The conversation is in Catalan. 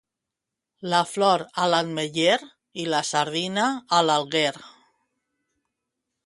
La flor a l'ametller i la sardina a l'alguer.